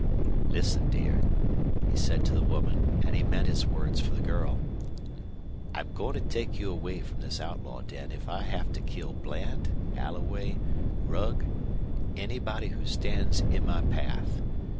"Listen, dear," he said to the woman, and he meant his words for the girl. "I'm going to take you away from this outlaw den if I have to kill Bland, Alloway, Rugg anybody who stands in my path.